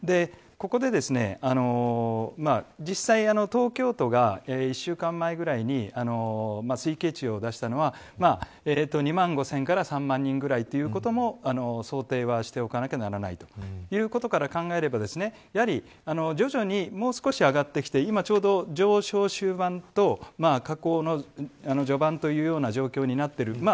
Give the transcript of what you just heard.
ここで実際、東京都が１週間前ぐらいに推計値を出したのは２万５０００人から３万人ぐらいということも想定はしておかなければならないということから考えればやはり、徐々にもう少し上がってきて今ちょうど、上昇終盤と下降の序盤というような状況になっている。